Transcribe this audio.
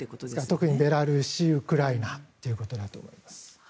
特にベラルーシウクライナということだと思います。